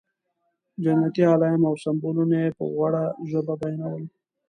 جنتي علایم او سمبولونه یې په غوړه ژبه بیانول.